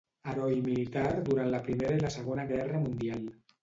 Heroi militar durant la Primera i la Segona Guerra Mundial.